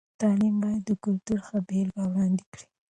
تعلیم باید د کلتور ښه بېلګه وړاندې کړي.